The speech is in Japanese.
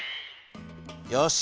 よし。